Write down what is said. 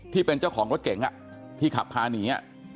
ที่เป็นเจ้าของรถเก๋งที่ขับพาหนี